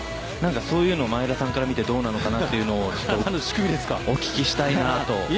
そういうのを前田さんから見てどうなのかお聞きしたいなと。